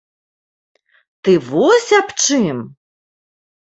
Ты вось аб чым!